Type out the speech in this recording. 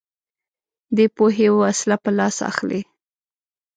دی پوهې وسله په لاس اخلي